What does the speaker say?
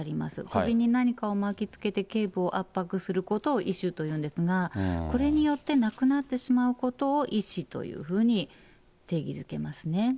首に何かを巻きつけて、けい部を圧迫することを縊首というんですが、これによって亡くなってしまうことを縊死というふうに定義づけますね。